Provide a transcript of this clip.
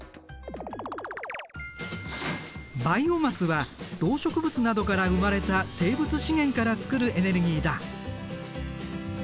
バイオマスは動植物などから生まれた生物資源から作るエネルギーだ。